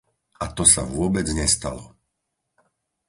A to sa vôbec nestalo!